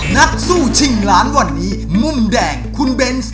นักสู้ชิงล้านวันนี้มุมแดงคุณเบนส์